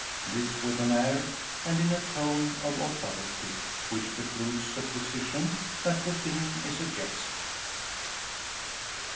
This with an air and in a tone of authority, which precludes supposition that the thing is a jest.